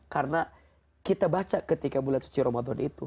karena kita baca ketika bulan suci ramadan itu